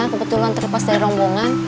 kebetulan terlepas dari rombongan